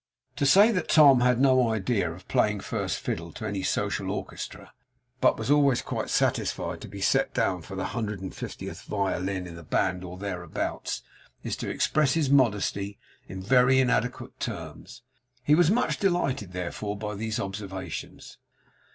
To say that Tom had no idea of playing first fiddle in any social orchestra, but was always quite satisfied to be set down for the hundred and fiftieth violin in the band, or thereabouts, is to express his modesty in very inadequate terms. He was much delighted, therefore, by these observations.